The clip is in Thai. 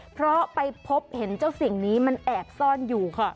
เพราะไปพบเห็นเจ้าสิ่งนี้มันแอบซ่อนอยู่ค่ะ